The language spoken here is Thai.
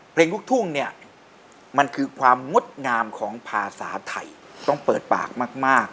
เพลงลูกทุ่งเนี่ยมันคือความงดงามของภาษาไทยต้องเปิดปากมาก